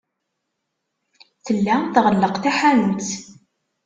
Tella tɣelleq taḥanut.